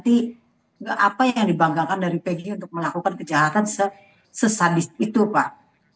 tapi apa yang dibanggakan dari pg untuk melakukan kejahatan sesadis itu pak